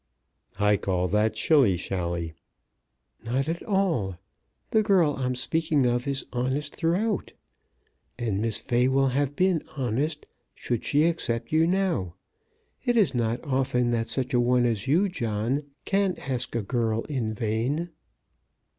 "I call that shilly shally." "Not at all. The girl I'm speaking of is honest throughout. And Miss Fay will have been honest should she accept you now. It is not often that such a one as you, John, can ask a girl in vain."